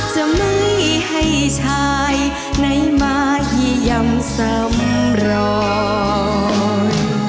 จะไม่ให้ชายไหนมาย่ำสำรอง